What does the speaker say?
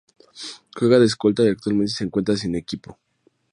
Juega de escolta y actualmente se encuentra sin equipo.